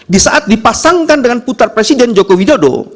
disaat dipasangkan dengan putar presiden joko widodo